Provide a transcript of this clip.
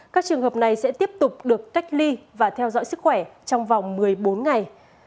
các trường hợp này sẽ tiếp tục được cách ly và theo dõi sức khỏe trong vòng một mươi bốn ngày